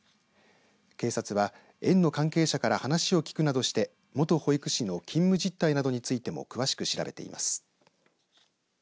警察は園の関係者から話を聞くなどして元保育士の勤務実態などについても詳しく調べています。